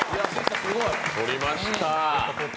取りました。